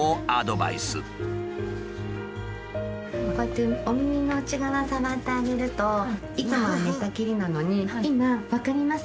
こうやってお耳の内側触ってあげるといつもは寝たきりなのに今分かります？